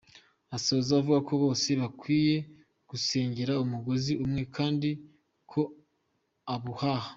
Asoza avuga ko bose bakwiye gusenyera umugozi umwe kandi ko abubaha!’.